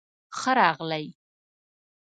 ښۀ راغلئ